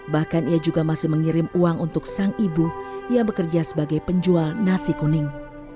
bahkan ia juga masih mengirim uang untuk sang ibu yang bekerja sebagai penjual nasi kuning